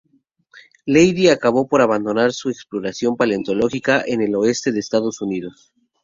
Leidy acabó por abandonar su exploración paleontológica en el Oeste de Estados Unidos.